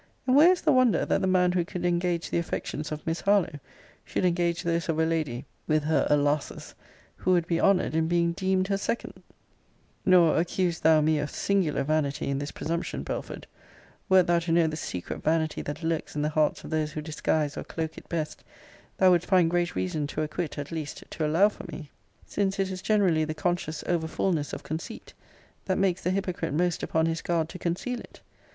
And where is the wonder, that the man who could engage the affections of Miss Harlowe, should engage those of a lady (with her* alas's) who would be honoured in being deemed her second? * See Letter XX. of this volume, where Miss Howe says, Alas! my dear, I know you loved him! Nor accuse thou me of SINGULAR vanity in this presumption, Belford. Wert thou to know the secret vanity that lurks in the hearts of those who disguise or cloke it best, thou wouldst find great reason to acquit, at least, to allow for me: since it is generally the conscious over fulness of conceit, that makes the hypocrite most upon his guard to conceal it.